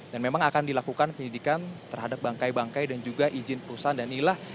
dan memang akan dilakukan penyelidikan terhadap bangkai bangkai dan juga izin perusahaan dan ilah